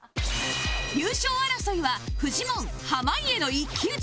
優勝争いはフジモン濱家の一騎打ち